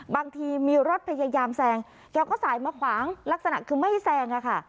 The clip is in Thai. บางทีมีรถพยายามแซงแกก็สายมาขวางลักษณะคือไม่แซงอะค่ะ